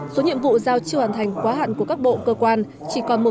số nhiệm vụ giao chiêu hoàn thành quá hạn của các bộ cơ quan chỉ còn một chín